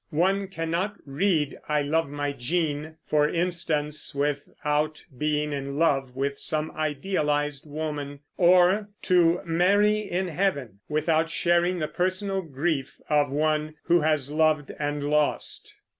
One cannot read, "I love my Jean," for instance, without being in love with some idealized woman; or "To Mary in Heaven," without sharing the personal grief of one who has loved and lost.